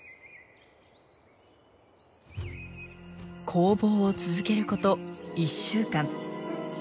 攻防を続けること１週間。